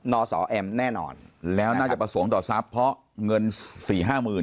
อสแอมแน่นอนแล้วน่าจะประสงค์ต่อทรัพย์เพราะเงินสี่ห้าหมื่น